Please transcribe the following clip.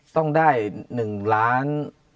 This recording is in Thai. ต้องได้๑ล้าน๑๔๐๐๐๐